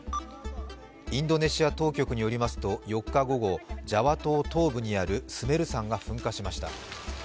インドネシア当局によりますと、４日午後、ジャワ島東部にあるスメル山が噴火しました。